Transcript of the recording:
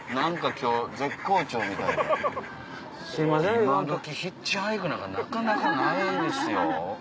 今どきヒッチハイクなんかなかなかないですよ。